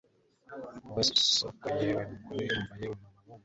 Wowe soko yewe mugore umva yewe mama wumusazi